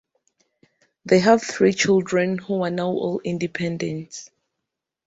They have three children who are now all independent.